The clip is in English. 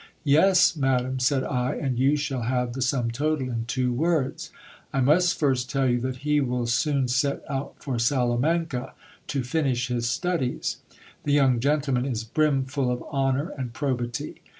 I Yes, madam, said I, and you shall have the sum total in two words. I must first tell you, that he will soon set out for Salamanca, to finish his studies. The youig gentleman is brim full of honour and probity.